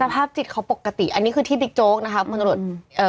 ภาพจิตเขาปกติอันนี้คือที่บิ๊กโจ๊กนะคะพลตรวจเอ่อ